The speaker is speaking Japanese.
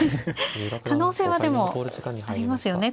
可能性はでもありますよね